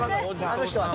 あの人は。